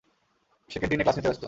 সে ক্যান্টিনে ক্লাস নিতে ব্যস্ত।